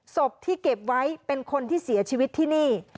ศพที่เก็บไว้เป็นคนที่เสียชีวิตที่นี่